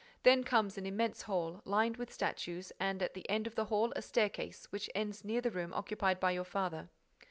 Then comes an immense hall, lined with statues, and at the end of the hall a staircase which ends near the room occupied by your father."